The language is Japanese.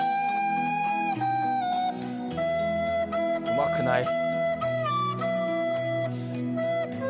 うまくない。